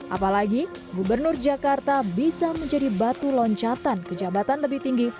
apalagi gubernur jakarta bisa menjadi batu loncatan ke jabatan lebih tinggi